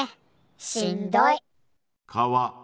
しんどい。